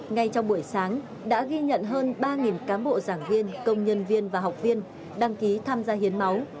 ngay trong buổi sáng đã ghi nhận hơn ba cán bộ giảng viên công nhân viên và học viên đăng ký tham gia hiến máu